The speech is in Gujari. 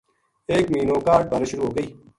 ایک مہینو کاہڈ بارش شروع ہوگئی